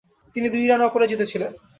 তিনি দুই রানে অপরাজিত ছিলেন।